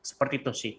seperti itu sih